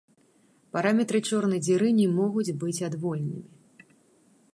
Параметры чорнай дзіры не могуць быць адвольнымі.